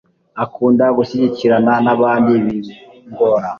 akunda gushyikirana n'abandi bingora